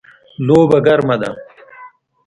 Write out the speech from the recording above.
لوبه ګرمه ده